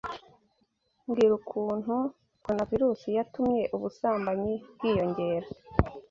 Mbrga ukuntu corona virus yatumye ubusambanyi bwiyongera!